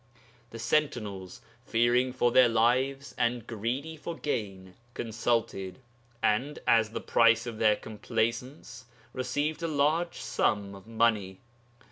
The sentinels, fearing for their lives, and greedy for gain, consulted, and as the price of their complaisance received a large sum of money.